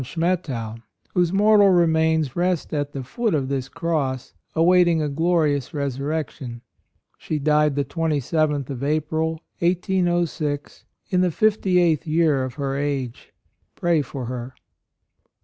Ill Schmettau, whose mortal re mains rest at the foot of this cross, awaiting a glorious resurrection. She died the 27th of April, 1806, in the fifty eighth year of her age. Pray for her."